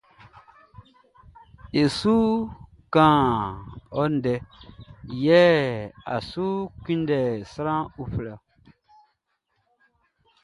E su kan ɔ ndɛ yɛ a su index sran uflɛ.